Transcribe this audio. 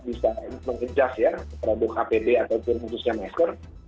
bisa mengejas produk hpb ataupun khususnya maestro